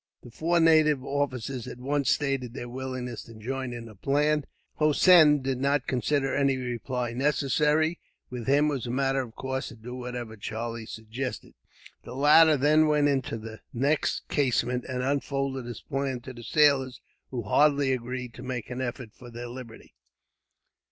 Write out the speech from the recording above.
The four native officers at once stated their willingness to join in the plan. Hossein did not consider any reply necessary. With him, it was a matter of course to do whatever Charlie suggested. The latter then went into the next casemate, and unfolded his plan to the sailors, who heartily agreed to make an effort for their liberty.